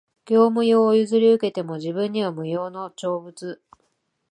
業務用を譲り受けても、自分には無用の長物